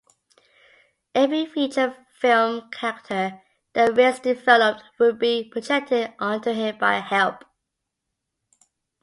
Every feature film character that Reitz developed would be projected onto him by Hepp.